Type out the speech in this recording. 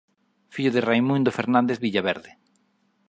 Fillo de Raimundo Fernández Villaverde.